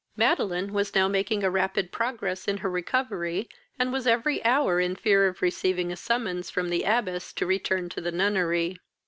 Madeline was now making a rapid progress in her recovery, and was every hour in fear of receiving a summons from the abbess to return to the nunnery.